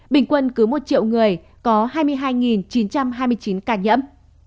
bình quân cứ một triệu người có hai mươi hai chín trăm hai mươi chín ca nhiễm